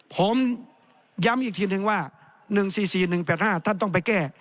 ผมย้ำอีกทีนึงว่า๑๔๔๑๘๕ท่านต้องไปแก้